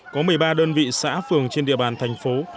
có một mươi ba đơn vị xã phường trên địa bàn thành phố